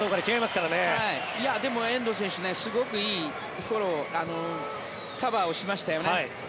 すごくいいフォローカバーをしましたよね。